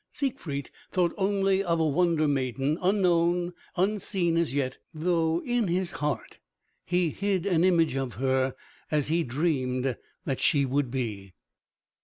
Siegfried thought only of a wonder maiden, unknown, unseen as yet, though in his heart he hid an image of her as he dreamed that she would be.